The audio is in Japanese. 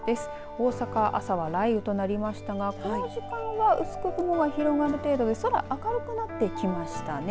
大阪、朝は雷雨となりましたがこの時間は薄く雲が広がる程度で空、明るくなってきましたね。